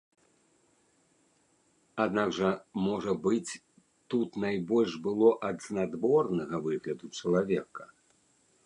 Аднак жа, можа быць, тут найбольш было ад знадворнага выгляду чалавека.